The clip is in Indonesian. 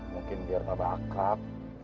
mungkin biar papa akab